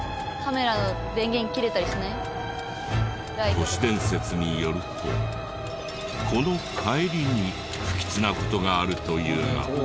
都市伝説によるとこの帰りに不吉な事があるというが。